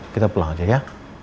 kita pulang aja ya